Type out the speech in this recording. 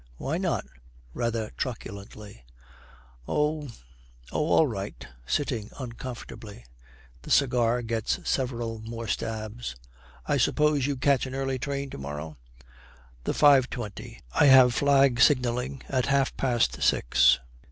'Why not?' rather truculently. 'Oh oh, all right,' sitting uncomfortably. The cigar gets several more stabs. 'I suppose you catch an early train to morrow?' 'The 5.20. I have flag signalling at half past six.'